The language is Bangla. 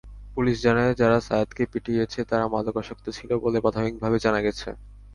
পুলিশ জানায়, যারা সায়েদকে পিটিয়েছে, তারা মাদকাসক্ত ছিল বলে প্রাথমিকভাবে জানা গেছে।